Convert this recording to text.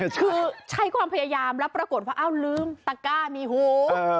คือใช้ความพยายามแล้วปรากฏว่าอ้าวลืมตะก้ามีหู